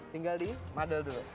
tinggal dimadul dulu